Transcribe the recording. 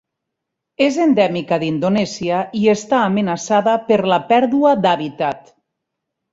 És endèmica d'Indonèsia i està amenaçada per la pèrdua d'hàbitat.